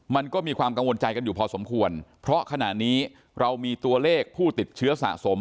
มันก็มีความกังวลใจกันอยู่พอสมควรเพราะขณะนี้เรามีตัวเลขผู้ติดเชื้อสะสม